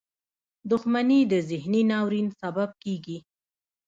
• دښمني د ذهني ناورین سبب کېږي.